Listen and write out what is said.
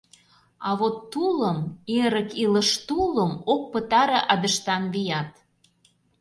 А вот тулым, эрык илыш тулым, Ок пытаре адыштан вият.